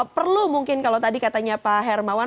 perlu mungkin kalau tadi katanya pak hermawan